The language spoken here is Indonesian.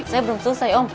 saya belum selesai om